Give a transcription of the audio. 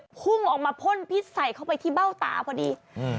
เพียงจะพุงออกมาพ่นพิษใส่เข้าไปที่เบ้าตาพอดี